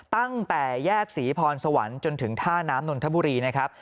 ตั้งแต่แยกศรีพรสวรรค์จนถึงท่าน้ำนนทบุรีนะครับ